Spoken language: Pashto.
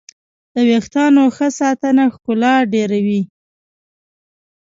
د ویښتانو ښه ساتنه ښکلا ډېروي.